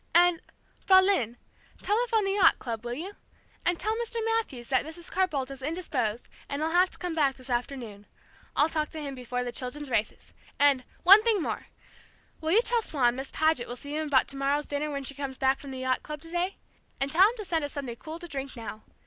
And, Fraulein, telephone the yacht club, will you? And tell Mr. Mathews that Mrs. Carr Boldt is indisposed and he'll have to come back this afternoon. I'll talk to him before the children's races. And one thing more! Will you tell Swann Miss Paget will see him about to morrow's dinner when she comes back from the yacht club to day? And tell him to send us something cool to drink now.